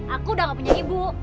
aku udah gak punya ibu